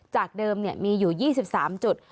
จากเดิมมีอยู่๒๓จุด